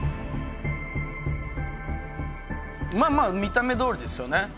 まあまあ見た目どおりですよね